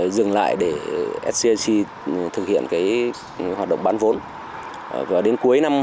dừng lại để scic thực hiện